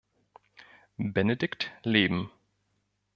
Benedikt leben.